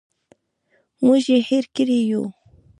موږ یې هېر کړي یوو.